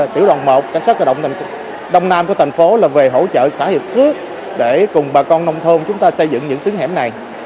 tiểu đoàn một cảnh sát cơ động thành phố đông nam của thành phố là về hỗ trợ xã hiệp phước để cùng bà con nông thôn chúng ta xây dựng những tiếng hẻm này